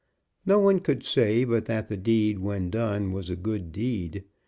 No one could say but that the deed when done was a good deed.